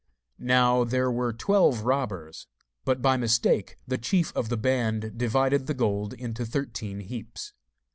Now, there were twelve robbers, but by mistake the chief of the band divided the gold into thirteen heaps.